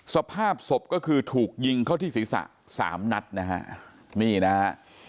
สภาพศพก็คือถูกยิงเข้าที่ศีรษะสามนัดนะฮะนี่นะฮะ